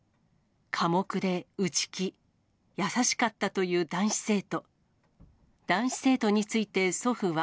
寡黙で内気、優しかったという男子生徒。